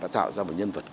đã tạo ra một nhân vật